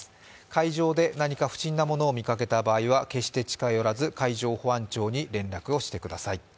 海上で何か不審なものを見つけた場合は決して近寄らず海上保安庁に連絡をしてください。